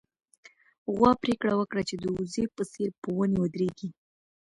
غوا پرېکړه وکړه چې د وزې په څېر په ونې ودرېږي.